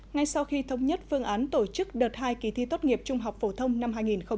ngay sau khi thống nhất phương án tổ chức đợt hai kỳ thi tốt nghiệp trung học phổ thông năm hai nghìn hai mươi